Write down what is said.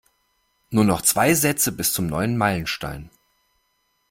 Nur noch zwei Sätze bis zum neuen Meilenstein.